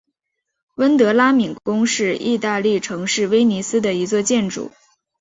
温德拉敏宫是义大利城市威尼斯的一座建筑。